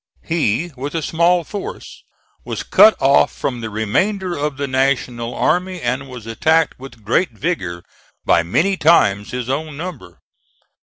He, with a small force, was cut off from the remainder of the National army and was attacked with great vigor by many times his own number.